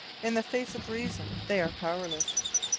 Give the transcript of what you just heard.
"In the face of reason they are powerless.